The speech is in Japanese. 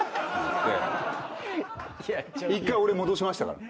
１回俺戻しましたから。